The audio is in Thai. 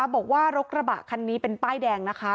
บอกว่ารถกระบะคันนี้เป็นป้ายแดงนะคะ